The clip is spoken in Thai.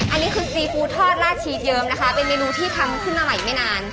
อันนี้คือซีฟู้ทอดลาดชีสเยิ้มนะคะเป็นเมนูที่ทำขึ้นมาใหม่ไม่นาน